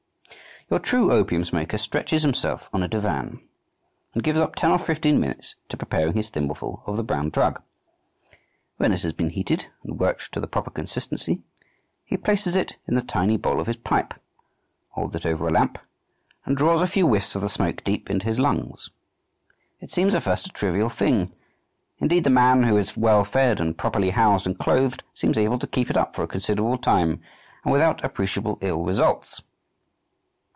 Your true opium smoker stretches himself on a divan and gives up ten or fifteen minutes to preparing his thimbleful of the brown drug. When it has been heated and worked to the proper consistency, he places it in the tiny bowl of his pipe, holds it over a lamp, and draws a few whiffs of the smoke deep into his lungs. It seems, at first, a trivial thing; indeed, the man who is well fed and properly housed and clothed seems able to keep it up for a considerable time and without appreciable ill results.